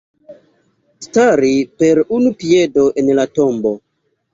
Stari per unu piedo en la tombo.